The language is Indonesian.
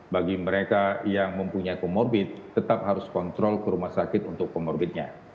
bagi mereka yang mempunyai comorbid tetap harus kontrol ke rumah sakit untuk komorbitnya